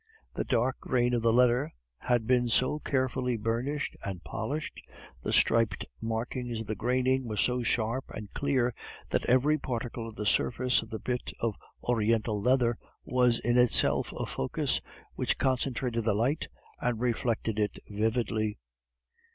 The dark grain of the leather had been so carefully burnished and polished, the striped markings of the graining were so sharp and clear, that every particle of the surface of the bit of Oriental leather was in itself a focus which concentrated the light, and reflected it vividly.